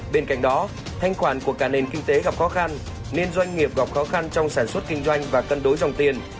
bên cạnh đó thanh khoản của cả nền kinh tế gặp khó khăn nên doanh nghiệp gặp khó khăn trong sản xuất kinh doanh và cân đối dòng tiền